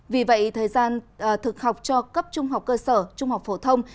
vì vậy thời gian thực học cho cấp trung học cơ sở trung học phổ thông